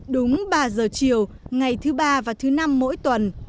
đúng ba giờ chiều ngày thứ ba và thứ năm mỗi tuần